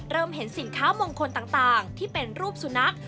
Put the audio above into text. เห็นสินค้ามงคลต่างที่เป็นรูปสุนัข